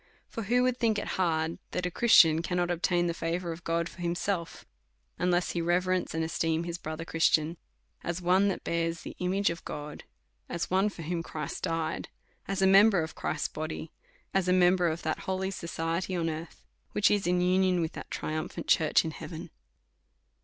For who SOG A SERIOUS CALL TO A would think it liard^ that a Christian cannot obtain the favour of God for himself, unless he reverence and es teem his brother Christian, as one that bears the imai^e of God, as one for whom Christ died, as a member of Christ's body, as a member of that holy society on earth, which is in union with that triumphant church in heaven?